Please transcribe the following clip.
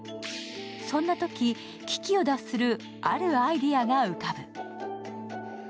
そんなとき、危機を脱するあるアイデアが浮かぶ。